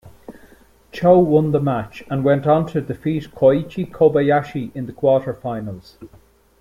Cho won the match and went on to defeat Koichi Kobayashi in the quarter-finals.